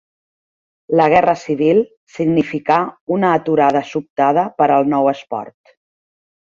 La Guerra Civil significà una aturada sobtada per al nou esport.